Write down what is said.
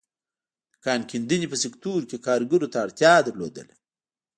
د کان کیندنې په سکتور کې کارګرو ته اړتیا لرله.